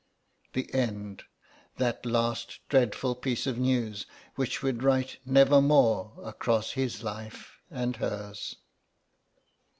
The end; that last dreadful piece of news which would write "nevermore" across his life and hers.